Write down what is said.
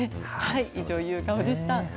以上、夕顔でした。